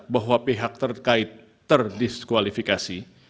bahwa pihak terkait terdiskualifikasi